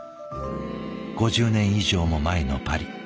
５０年以上も前のパリ。